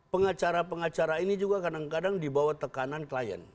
pengacara pengacara ini juga kadang kadang dibawa tekanan klien